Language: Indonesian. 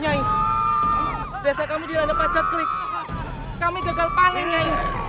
nyai desa kami dilanda pacat klik kami gagal paling nyai